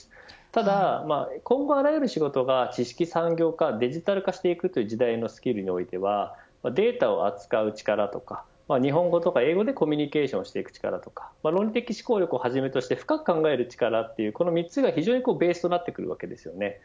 ただ、今後あらゆる仕事が知識産業化デジタル化していくという時代のスキルにおいてはデータを扱う力とか日本語や英語でコミュニケーションを取る力とか論理的思考をはじめ深く考える力が非常にベースになります。